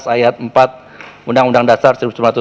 ayat empat undang undang dasar seribu sembilan ratus empat puluh